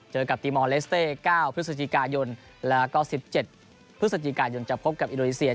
เจอกับตีมอลเลสเต้๙พฤศจิกายนแล้วก็๑๗พฤศจิกายนจะพบกับอินโดนีเซีย